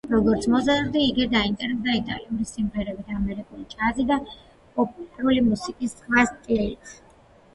როგორც მოზარდი, იგი დაინტერესდა იტალიური სიმღერებით, ამერიკული ჯაზით და პოპულარული მუსიკის სხვა სტილით.